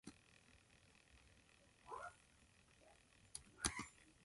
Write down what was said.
The traditional preparation is very time-consuming.